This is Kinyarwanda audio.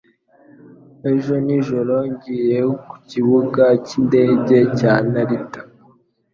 Ejo nijoro, ngiye ku kibuga cyindege cya Narita.